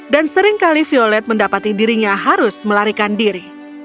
dan seringkali violet mendapati dirinya harus melarikan diri